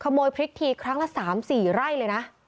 พริกทีครั้งละ๓๔ไร่เลยนะ